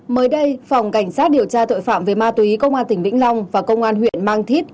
mới đây phòng cảnh sát điều tra tội phạm về ma túy công an tỉnh vĩnh long và công an huyện mang thít